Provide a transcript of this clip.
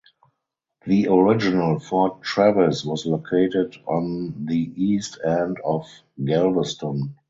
The original Fort Travis was located on the east end of Galveston.